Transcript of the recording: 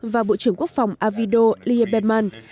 và bộ trưởng quốc phòng avido lieberman